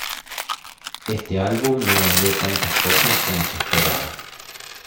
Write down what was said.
Este álbum no vendió tantas copias como se esperaba.